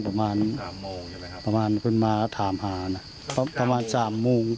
ใช่ไหมครับประมาณขึ้นมาถามหานะประมาณสามโมง